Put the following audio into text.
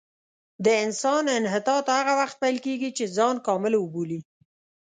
د انسان انحطاط هغه وخت پیل کېږي چې ځان کامل وبولي.